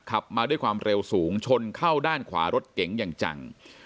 ขับมาด้วยความเร็วสูงชนเข้าด้านขวารถเก๋งอย่างจัง